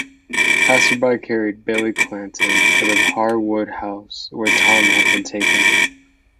Passersby carried Billy Clanton to the Harwood house, where Tom had been taken.